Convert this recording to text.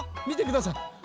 みてください。